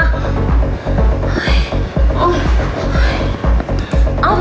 อ้าวอ้าวอ้าว